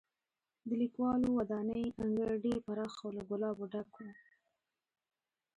د لیکوالو ودانۍ انګړ ډېر پراخه او له ګلابو ډک و.